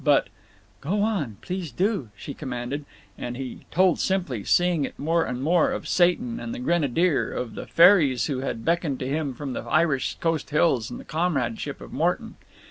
But, "Go on, please do," she commanded, and he told simply, seeing it more and more, of Satan and the Grenadier, of the fairies who had beckoned to him from the Irish coast hills, and the comradeship of Morton.